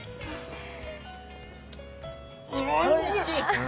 おいしい。